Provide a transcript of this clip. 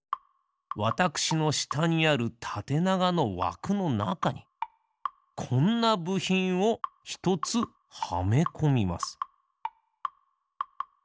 わたくしのしたにあるたてながのわくのなかにこんなぶひんをひとつはめこみます。